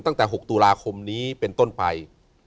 ตั้งแต่๖ตุลาคมนี้เป็นต้นไป